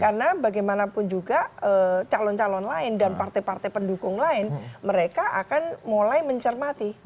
karena bagaimanapun juga calon calon lain dan partai partai pendukung lain mereka akan mulai mencermati